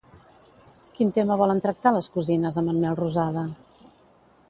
Quin tema volen tractar les cosines amb en Melrosada?